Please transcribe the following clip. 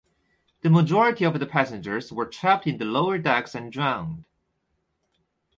The majority of the passengers were trapped in the lower decks and drowned.